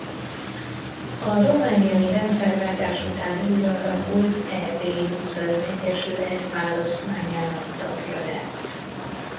A romániai rendszerváltás után újraalakult Erdélyi Múzeum-Egyesület választmányának tagja lett.